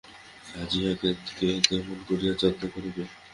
আজ ইহাকে কে তেমন করিয়া যত্ন করিবে।